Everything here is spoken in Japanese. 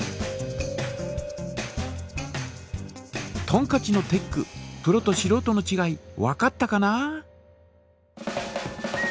とんかちのテックプロとしろうとのちがいわかったかな？